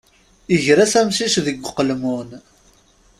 Iger-as amcic deg uqelmun.